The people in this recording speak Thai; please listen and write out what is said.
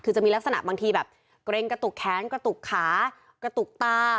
คือจะมีลักษณะบางทีแบบเกรงกระตุกแขนกระตุกขากระตุกตา